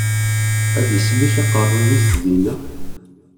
Ad isellek aqeṛṛu-yis dinna?